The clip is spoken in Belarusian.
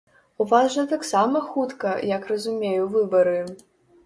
У вас жа таксама хутка, як разумею, выбары.